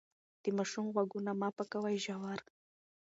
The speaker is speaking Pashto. د ماشوم غوږونه مه پاکوئ ژور.